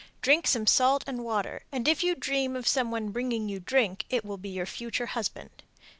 Drink some salt and water, and if you dream of some one bringing you drink it will be your future husband.